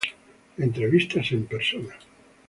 Entrevistas en persona.